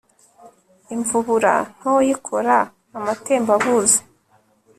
imvubura ntoya ikora amatembabuzi